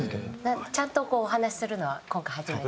ちゃんとこうお話しするのは今回始めて。